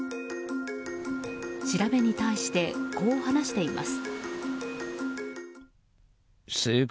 調べに対して、こう話しています。